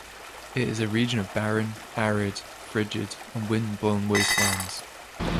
It is a region of barren, arid, frigid and wind-blown wastelands.